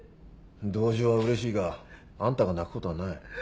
同情はうれしいがあんたが泣くことはない。